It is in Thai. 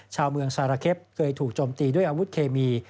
ชาวเมืองซาระเคปเคยถูกจมตีด้วยอาวุธเคมี